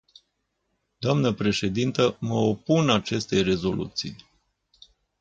Dnă președintă, mă opun acestei rezoluții.